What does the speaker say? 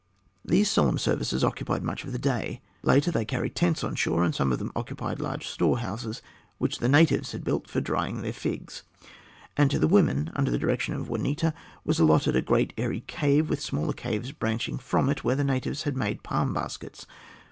These solemn services occupied much of the day; later they carried tents on shore, and some of them occupied large storehouses which the natives had built for drying their figs; and to the women, under direction of Juanita, was allotted a great airy cave, with smaller caves branching from it, where the natives had made palm baskets.